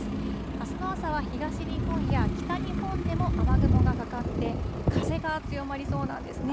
あすの朝は東日本や北日本でも雨雲がかかって、風が強まりそうなんですね。